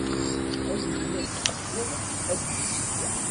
Ayen i yas-d-tefkiḍ ad t-issebleɛ.